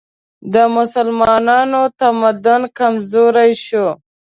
د مسلمانانو تمدن کمزوری شو